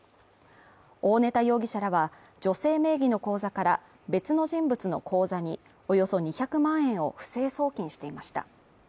大根田容疑者らは女性名義の口座から別の人物の口座におよそ２００万円を不正送金していました。